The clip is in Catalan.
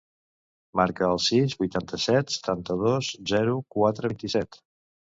Marca el sis, vuitanta-set, setanta-dos, zero, quatre, vint-i-set.